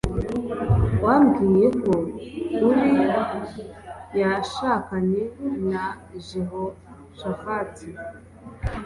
wambwiye ko uri yashakanye na jehoshaphat